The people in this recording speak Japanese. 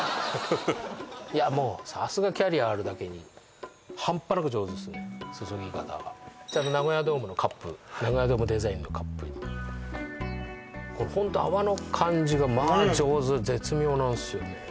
いやもうさすがキャリアあるだけにちゃんとナゴヤドームのカップナゴヤドームデザインのカップにホント泡の感じがまあ上手絶妙なんですよね